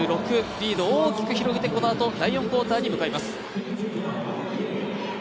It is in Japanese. リード、大きく広げて第４クオーターに向かいます。